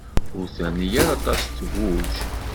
Ur terni ara aṭas tguǧ.